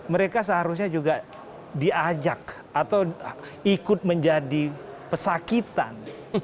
mereka seharusnya juga diajak atau ikut menjadi pesakitan